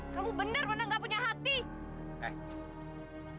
kamu benar benar gak punya hati